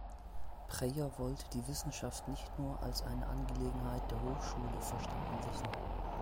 Preyer wollte die Wissenschaft nicht nur als eine Angelegenheit der Hochschule verstanden wissen.